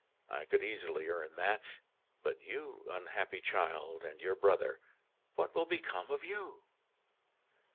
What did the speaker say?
I could easily earn that. But you, unhappy child! and your brother, what will become of you?"